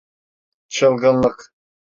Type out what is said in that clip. Çılgınlık…